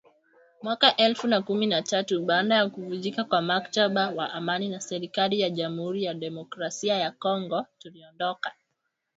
Mwaka elfu na kumi na tatu, baada ya kuvunjika kwa mkataba wa amani na serikali ya Jamuhuri ya Demokrasia ya Kongo, tuliondoka